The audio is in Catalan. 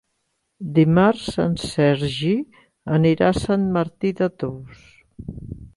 Dimarts en Sergi anirà a Sant Martí de Tous.